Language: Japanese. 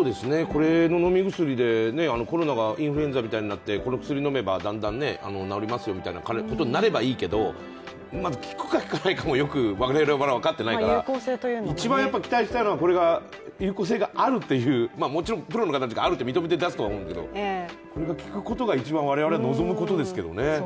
この飲み薬でコロナがインフルエンザみたいになって、これを飲めばだんだん治りますよみたいなことになればいいですけど効くか効かないかもよく、我々はまだ分かっていないから一番、期待したいのは有効性があるという、もちろんプロの方があると認めて出すと思うんですけどこれが効くことが我々一番望むことですけどね